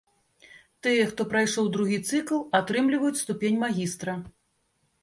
Тыя, хто прайшоў другі цыкл, атрымліваюць ступень магістра.